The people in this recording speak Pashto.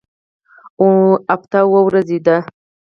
اونۍ اووه ورځې ده